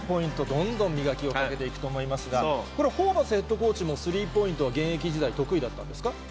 どんどん磨きをかけていくと思いますが、これ、ホーバスヘッドコーチも現役時代、得意だったんですか？